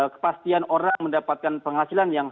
kepastian orang mendapatkan penghasilan yang